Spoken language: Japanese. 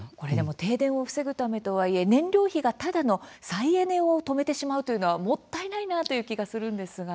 停電を防ぐためとはいえ燃料費がただの再エネを止めてしまうというのはもったいないなという気がするんですが。